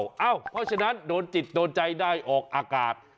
เพราะฉะนั้นโดนจิตโดนใจได้ออกอากาศ